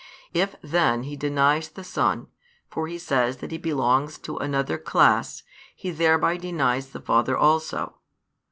If then he denies the Son, for he says that He belongs to another class, he thereby denies the Father also.